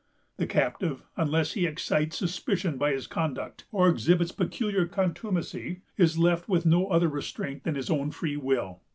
The captive, unless he excites suspicion by his conduct, or exhibits peculiar contumacy, is left with no other restraint than his own free will.